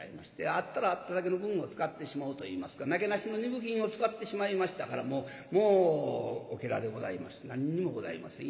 あったらあっただけの分を使ってしまうといいますかなけなしの二分金を使ってしまいましたからもうもうおけらでございまして何にもございません。